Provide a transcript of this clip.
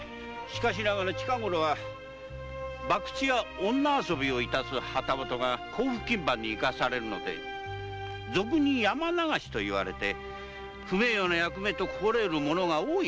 しかしながら近ごろはバクチや女遊びを致す旗本は甲府勤番に行かされるので俗に「山流し」といわれて不名誉なお役目と心得る者が多いとか。